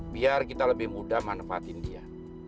biar kita lebih mudah manfaatin dia